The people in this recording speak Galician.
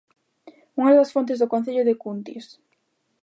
Unha das fontes do concello de Cuntis.